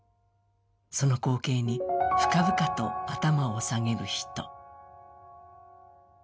その光景に深々と頭を下げる人。